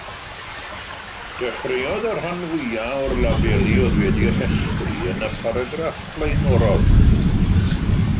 Dechreuodd y rhan fwyaf o'r labeli oedd wedi eu rhestru yn y paragraff blaenorol.